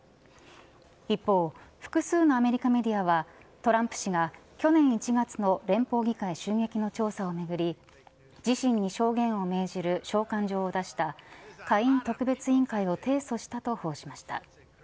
一方、複数のアメリカメディアはトランプ氏が去年１月の連邦議会襲撃の調査をめぐり自身に証言を命じる召喚状を出した下院特別委員会を提訴したと報じました。